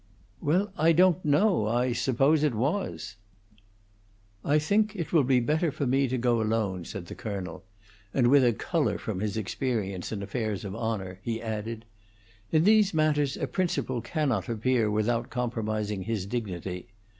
"Well, I don't know; I suppose it was." "I think it will be better for me to go alone," said the colonel; and, with a color from his experience in affairs of honor, he added: "In these matters a principal cannot appear without compromising his dignity.